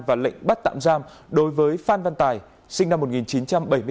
và lệnh bắt tạm giam đối với phan văn tài sinh năm một nghìn chín trăm bảy mươi bốn